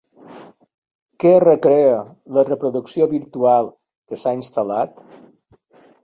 Què recrea la reproducció virtual que s'ha instal·lat?